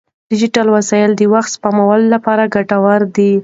ډیجیټل وسایل د وخت سپمولو لپاره ګټور دي.